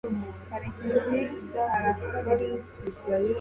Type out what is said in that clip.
karekezi arakorewe